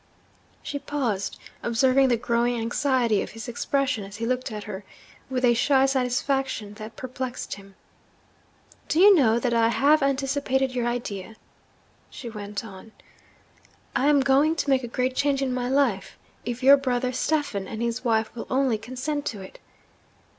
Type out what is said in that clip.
She paused, observing the growing anxiety of his expression as he looked at her, with a shy satisfaction that perplexed him. 'Do you know that I have anticipated your idea?' she went on. 'I am going to make a great change in my life if your brother Stephen and his wife will only consent to it.'